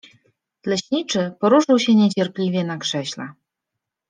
Leśniczy poruszył się niecierpliwie na krześle.